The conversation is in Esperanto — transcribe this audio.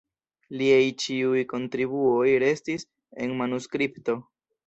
Liaj ĉiuj kontribuoj restis en manuskripto.